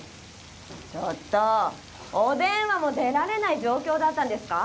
ちょっとお電話も出られない状況だったんですか？